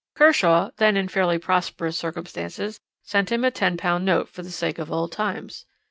"Kershaw, then in fairly prosperous circumstances, sent him a £10 note for the sake of old times.